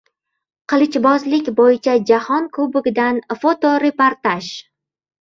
Qilichbozlik bo‘yicha jahon kubogidan fotoreportaj...